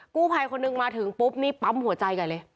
กู้ภัยคนหนึ่งมาถึงปุ๊บนี่ปั๊มหัวใจก่อนเลย